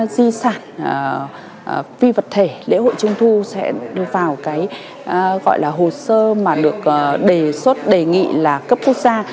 di sản phi vật thể lễ hội trung thu sẽ đưa vào cái gọi là hồ sơ mà được đề xuất đề nghị là cấp quốc gia